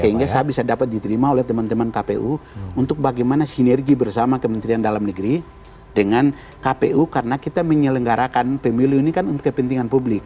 sehingga saya bisa dapat diterima oleh teman teman kpu untuk bagaimana sinergi bersama kementerian dalam negeri dengan kpu karena kita menyelenggarakan pemilu ini kan untuk kepentingan publik